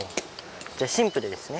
じゃあシンプルですね。